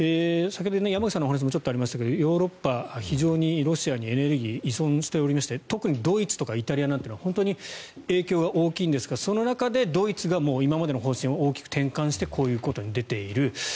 先ほど山口さんのお話にもありましたがヨーロッパ、非常にロシアにエネルギー依存しておりまして特にドイツやイタリアは本当に影響が大きいんですがその中でドイツが今までの方針を大きく転換してこういう動きに出ている。